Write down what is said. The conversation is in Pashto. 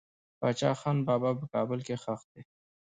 باچا خان بابا په کابل کې خښ دي.